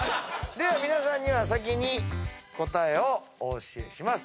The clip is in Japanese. では皆さんには先に答えをお教えします。